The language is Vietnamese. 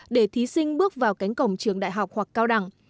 để thí sinh bước vào cánh cổng trường đại học hoặc cao đẳng